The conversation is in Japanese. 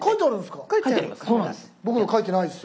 僕の書いてないです。